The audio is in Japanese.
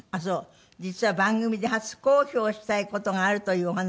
実は番組で初公表したい事があるというお話だったんですけども。